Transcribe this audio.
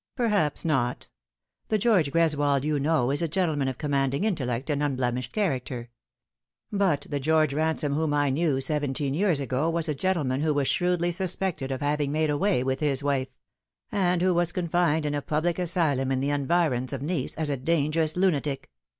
" Perhaps not. The George Greswold you know is a gentle man of commanding intellect and unbiemished character. But the George Ransome whom I knew seventeen years ago was a gentleman who was shrewdly suspected of having made away with his wife ; and who was confined in a public asylum in the environs of Nice as a dangerous lunatic.